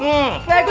nggak ikut campur